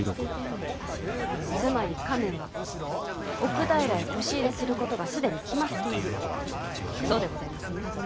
つまり亀は奥平へこし入れすることが既に決まっているそうでございますね？